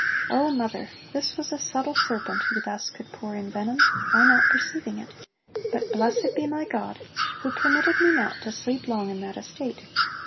O Mother! this was a subtle serpent who thus could pour in venom, I not perceiving it; but blessed be my God who permitted me not to sleep long in that estate.